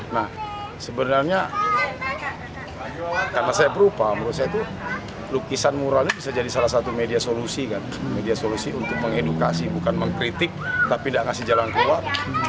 nah sebenarnya karena saya berupa menurut saya lukisan mural ini bisa jadi salah satu media solusi untuk mengedukasi bukan mengkritik tapi tidak memberikan jalan keluar